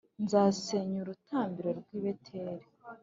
nzasenya urutambiro rw’i Beteli,